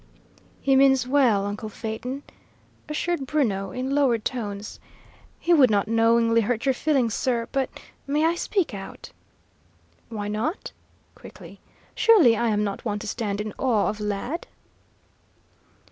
"He means well, uncle Phaeton," assured Bruno, in lowered tones. "He would not knowingly hurt your feelings, sir, but may I speak out?" "Why not?" quickly. "Surely I am not one to stand in awe of, lad?"